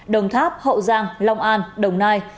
đồng tháp hậu giang long an đồng nai